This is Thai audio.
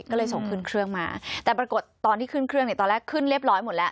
ก็เลยส่งขึ้นเครื่องมาแต่ปรากฏตอนที่ขึ้นเครื่องเนี่ยตอนแรกขึ้นเรียบร้อยหมดแล้ว